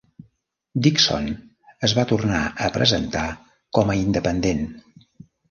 Dixon es va tornar a presentar com a independent.